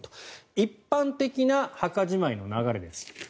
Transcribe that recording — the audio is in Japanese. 一般的な墓じまいの流れです。